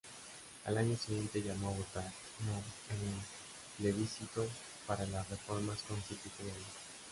Al año siguiente llamó a votar "No" en el plebiscito para las reformas constitucionales.